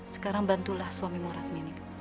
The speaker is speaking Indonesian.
sekarang bantulah suamimu ratmini